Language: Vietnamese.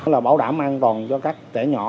là bảo đảm an toàn cho các trẻ nhỏ